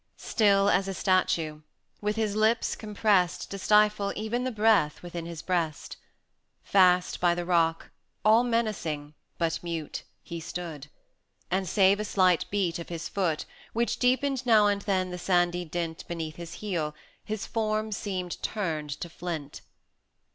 90 Still as a statue, with his lips comprest To stifle even the breath within his breast, Fast by the rock, all menacing, but mute, He stood; and, save a slight beat of his foot, Which deepened now and then the sandy dint Beneath his heel, his form seemed turned to flint.